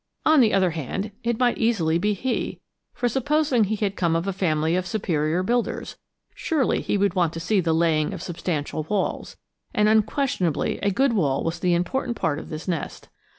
On the other hand, it might easily be he, for, supposing he had come of a family of superior builders, surely he would want to see to the laying of substantial walls; and unquestionably a good wall was the important part of this nest.